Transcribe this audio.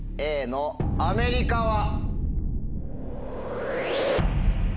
Ａのアメリカは。